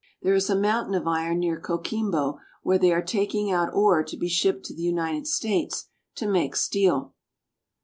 There is a mountain of iron near Coquimbo where they are taking out ore to be shipped to the United States to make steel.